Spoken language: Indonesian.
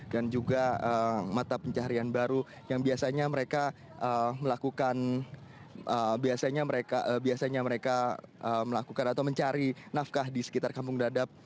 dan juga mata pencarian baru yang biasanya mereka melakukan atau mencari nafkah di sekitar kampung dadap